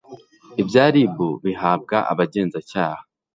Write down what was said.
ibya rib bihabwa abagenzacyaha